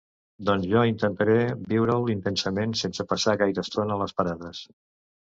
Doncs jo intentaré viure'l intensament sense passar gaire estona a les parades.